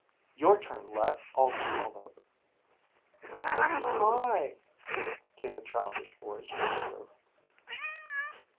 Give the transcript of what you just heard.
"Your turn, Let," Alter called up. "It's high," came a childish voice from the roof.